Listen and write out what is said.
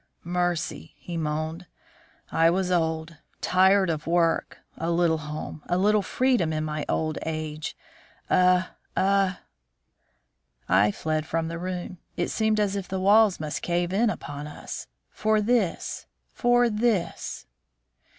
"Mercy!" he moaned. "I was old tired of work a little home a little freedom in my old age a a " I fled from the room. It seemed as if the walls must cave in upon us. For this, for this!